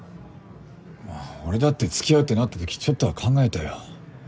俺だって付き合うってなった時ちょっとは考えたよ。